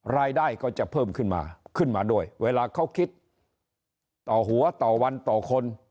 รายได้ก็จะเพิ่มขึ้นมาขึ้นมาด้วยเวลาเขาคิดต่อหัวต่อวันต่อคน